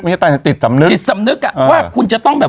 สามัญสำนึกเลย